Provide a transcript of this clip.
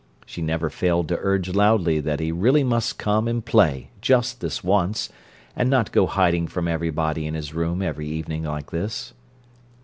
(She never failed to urge loudly that he really must come and play, just this once, and not go hiding from everybody in his room every evening like this!)